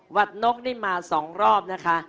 วัดนกนี่มา๒รอบนะคะ